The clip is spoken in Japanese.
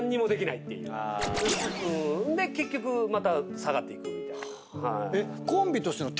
で結局また下がっていくみたいな。